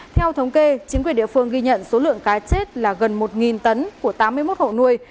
theo thống kê chính quyền địa phương ghi nhận số lượng cá chết là gần một tấn của tám mươi một hộ nuôi